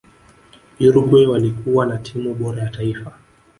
uruguay walikuwa na timu bora ya taifa